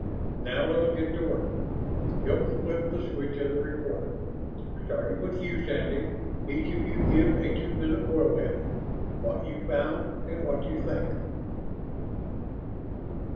"Now let's get to work." Hilton flipped the switch of the recorder. "Starting with you, Sandy, each of you give a two minute boil down. What you found and what you think."